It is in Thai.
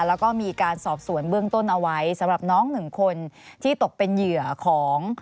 แล้วก็มีการสอบสวนเบื้องต้นเอาไว้สำหรับน้องหนึ่งคนที่ตกเป็นเหยื่อของ